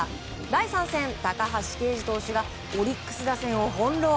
第３戦、高橋奎二投手がオリックス打線を翻弄。